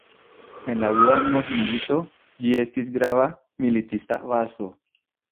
En la dua mondmilito, ĝi estis grava militista bazo.